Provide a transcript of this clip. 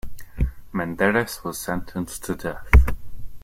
Menderes was sentenced to death.